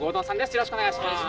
よろしくお願いします。